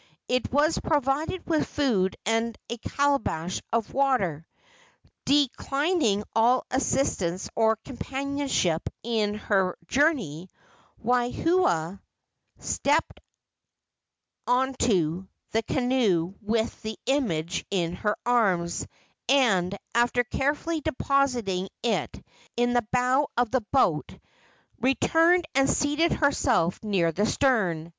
It was provided with food and a calabash of water. Declining all assistance or companionship in her journey, Waahia stepped into the canoe with the image in her arms, and, after carefully depositing it in the bow of the boat, returned and seated herself near the stern.